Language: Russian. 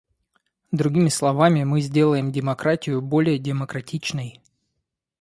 Другими словами, мы сделаем демократию более демократичной.